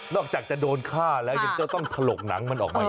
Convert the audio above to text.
อกจากจะโดนฆ่าแล้วยังจะต้องถลกหนังมันออกมาอีก